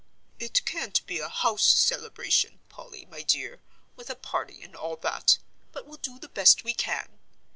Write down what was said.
"It can't be a house celebration, Polly, my dear, with a party and all that, but we'll do the best we can.